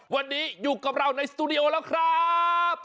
วันนี้อยู่กับเราในสตูดิโอแล้วครับ